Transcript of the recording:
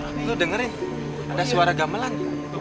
lo dengerin ada suara gamelan